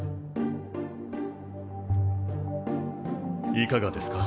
いかがですか？